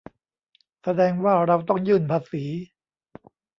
แสดงว่าเราต้องยื่นภาษี